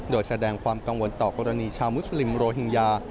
โดยแสดงความกังวลต่อกรณีชาวมุสลิมโรฮิงญา